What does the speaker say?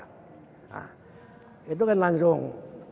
nah itu kan langsung